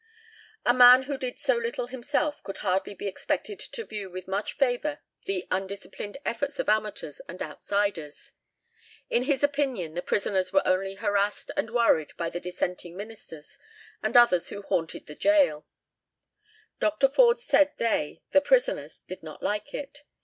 " A man who did so little himself could hardly be expected to view with much favour the undisciplined efforts of amateurs and outsiders. In his opinion the prisoners were only harassed and worried by the Dissenting ministers and others who "haunted the gaol." Dr. Forde said they (the prisoners) did not like it.